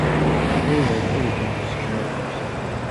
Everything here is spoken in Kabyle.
Qrib ad kem-nessekcem ɣer lḥebs.